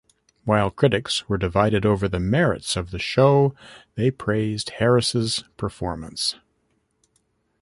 While critics were divided over the merits of the show, they praised Harris's performance.